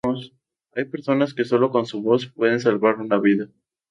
Hay personas que sólo con su voz, pueden salvar una vida.